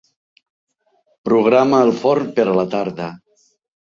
Programa el forn per a la tarda.